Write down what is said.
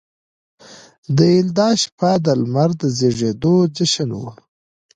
د یلدا شپه د لمر د زیږیدو جشن و